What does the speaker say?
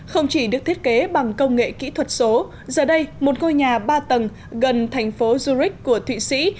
không chỉ được thiết kế bằng công nghệ kỹ thuật số giờ đây một ngôi nhà ba tầng gần thành phố zurich của thụy sĩ